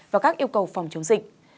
và các yêu cầu phòng chống dịch